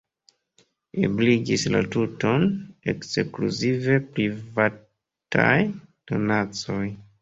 Ebligis la tuton ekskluzive privataj donacoj.